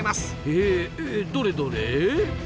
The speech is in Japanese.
へえどれどれ？